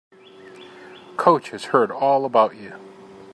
Coach has heard all about you.